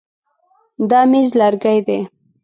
دا مېز لرګی دی.